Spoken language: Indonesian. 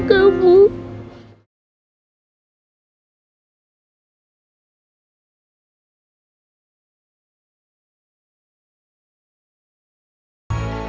gelah buka upah os